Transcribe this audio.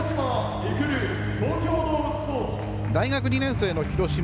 大学２年生の廣島。